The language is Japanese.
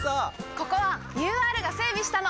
ここはＵＲが整備したの！